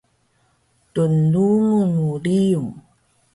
lnlungun mu riyung